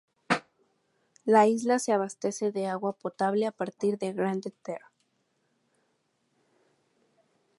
La isla se abastece de agua potable a partir de Grande-Terre.